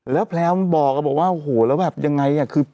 แล้วแพร่บอกบอกว่าโอ้โหแล้วแบบยังไง